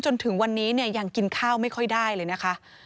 จนถึงวันนี้เนี่ยยังกินข้าวไม่ค่อยได้เลยนะคะ